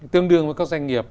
tương đương với các doanh nghiệp